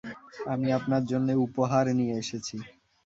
আমি আপনার জন্যে উপহার নিয়ে এসেছি।